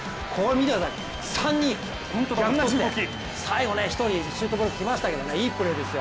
３人、最後、１人シュートブロックきましたけどいいプレーですよ。